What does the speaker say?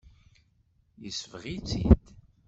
Yesbeɣ-itt-id.